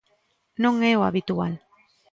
Non é o habitual.